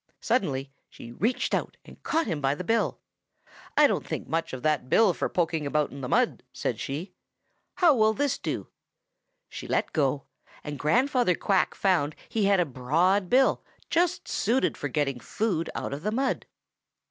Suddenly she reached out and caught him by the bill. 'I don't think much of that bill for poking about in the mud,' said she. 'How will this do?' She let go, and Grandfather Quack found he had a broad bill just suited for getting food out of the mud.